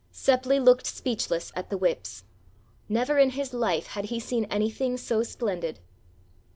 Seppli looked speechless at the whips. Never in his life had he seen anything so splendid!